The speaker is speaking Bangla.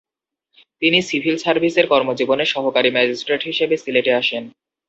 তিনি সিভিল সার্ভিসের কর্মজীবনে সহকারী ম্যাজিস্ট্রেট হিসেবে সিলেটে আসেন।